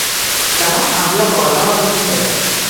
Demà en Biel vol anar a la biblioteca.